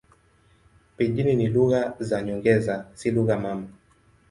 Pijini ni lugha za nyongeza, si lugha mama.